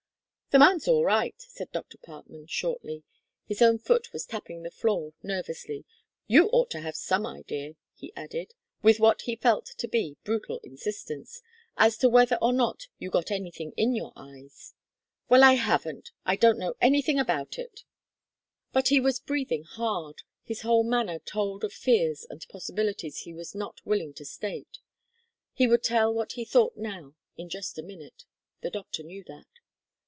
"The man's all right," said Dr. Parkman shortly. His own foot was tapping the floor nervously. "You ought to have some idea," he added, with what he felt to be brutal insistence, "as to whether or not you got anything in your eyes." "Well, I haven't! I don't know anything about it." But he was breathing hard. His whole manner told of fears and possibilities he was not willing to state. He would tell what he thought now in just a minute; the doctor knew that.